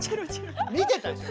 見てたでしょ？